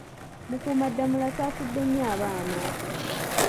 Mukuumaddamula asaasidde nnyo abaana.